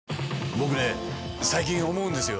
僕ね最近思うんですよ。